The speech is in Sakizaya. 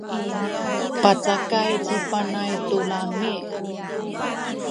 pacakay ci Panay tu lami’.